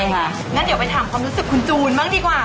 อย่างนั้นเดี๋ยวไปถามความรู้สึกคุณจู๋นมั้งดีกว่าค่ะ